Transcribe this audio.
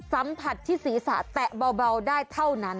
สัมผัสที่ศีรษะแตะเบาได้เท่านั้น